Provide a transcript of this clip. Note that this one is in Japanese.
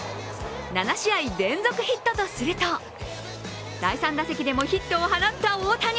７試合連続ヒットとすると第３打席でもヒットを放った大谷。